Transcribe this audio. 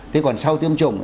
thế còn sau tiêm chủng